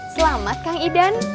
selamat kang idan